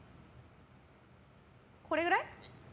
これぐらい？